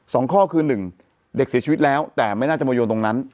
สองข้อคือหนึ่งเด็กเสียชีวิตแล้วแต่ไม่น่าจะมาโยนตรงนั้น